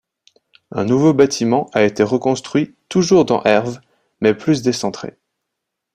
Un nouveau bâtiment a été reconstruit toujours dans Herve, mais plus décentré.